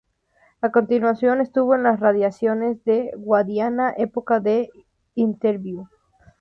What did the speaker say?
A continuación estuvo en las redacciones de Guadiana, Época e Interviú.